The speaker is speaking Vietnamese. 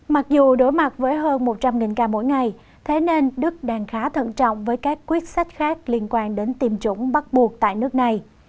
mặc dù đối mặt với hơn một trăm linh ca mỗi ngày thế nên đức đang khá thận trọng với các quyết sách khác liên quan đến tiêm chủng bắt buộc tại nước này